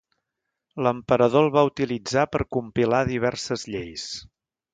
L'emperador el va utilitzar per compilar diverses lleis.